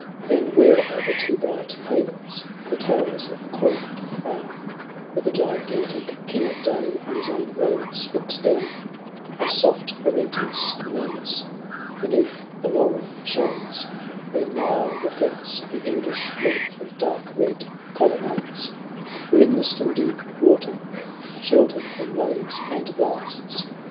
^ a. ?t€" /^ XXXI. " Then where, o'er two bright havens, The towers of Corinth frown ; Where the gigantic King of Day On his own Rhodes looks down ; Where soft Orontes murmurs Beneath the laurel shades ; Where Nile reflects the endless length Of dark red colonnades ; Where in the still deep water. Sheltered from waves and blasts.